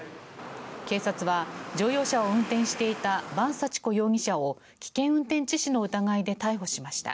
警察は乗用車を運転していた伴幸子容疑者を危険運転致死の疑いで逮捕しました。